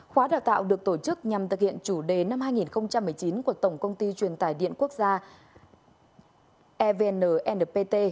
khóa đào tạo được tổ chức nhằm thực hiện chủ đề năm hai nghìn một mươi chín của tổng công ty truyền tải điện quốc gia evn npt